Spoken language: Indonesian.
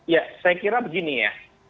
ya saya kira begini ya